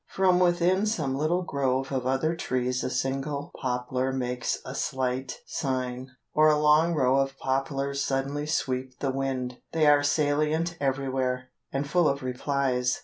From within some little grove of other trees a single poplar makes a slight sign; or a long row of poplars suddenly sweep the wind. They are salient everywhere, and full of replies.